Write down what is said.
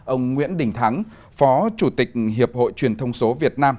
ông nguyễn đình thắng phó chủ tịch hiệp hội truyền thông số việt nam